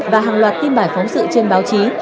và hàng loạt tin bài phóng sự trên báo chí